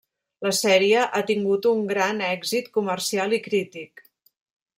La sèrie ha tingut un gran èxit comercial i crític.